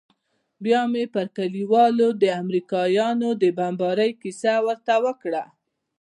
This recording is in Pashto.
بيا مې پر کليوالو د امريکايانو د بمبارۍ کيسه ورته وکړه.